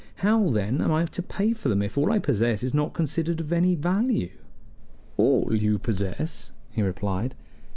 How, then, am I to pay for them if all I possess is not considered of any value?" "All you possess!" he replied.